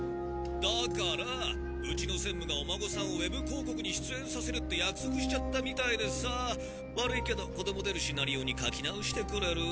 だからうちの専務がお孫さんをウェブ広告に出演させるって約束しちゃったみたいでさ悪いけど子ども出るシナリオに書き直してくれる？